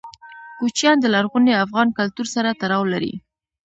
کوچیان د لرغوني افغان کلتور سره تړاو لري.